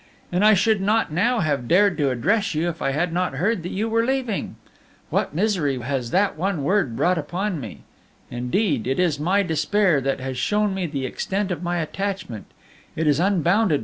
And I should not now have dared to address you if I had not heard that you were leaving. What misery has that one word brought upon me! Indeed, it is my despair that has shown me the extent of my attachment it is unbounded.